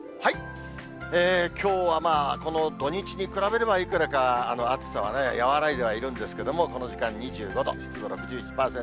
きょうはまあ、この土日に比べればいくらか暑さはね、和らいではいるんですけれども、この時間、２５度、湿度６１％。